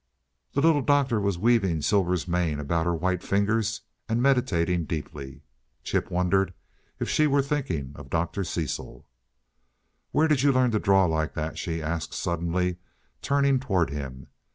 The Little Doctor was weaving Silver's mane about her white fingers and meditating deeply. Chip wondered if she were thinking of Dr. Cecil. "Where did you learn to draw like that?" she asked, suddenly, turning toward him.